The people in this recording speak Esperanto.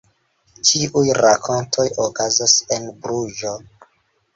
Ĉiuj rakontoj okazas en Bruĝo.